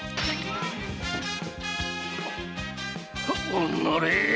おのれ！